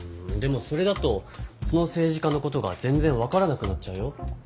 うんでもそれだとそのせいじ家のことが全ぜんわからなくなっちゃうよ。